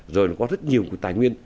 rồi nó có rất nhiều tài nguyên